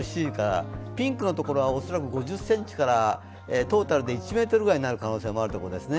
ピンクのところは恐らく５０ｃｍから、トータルで１ｍぐらいになる可能性もある所ですね。